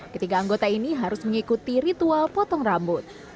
ketiga anggota ini harus mengikuti ritual potong rambut